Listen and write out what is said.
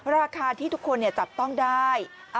ราคาที่ทุกคนจับต้องได้